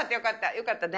よかったね。